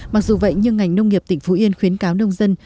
mặc dù vậy nhưng ngành nông nghiệp tỉnh phú yên khuyến cáo nông dân